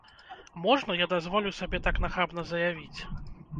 Можна, я дазволю сабе так нахабна заявіць?